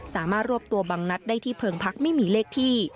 รวบตัวบังนัดได้ที่เพิงพักไม่มีเลขที่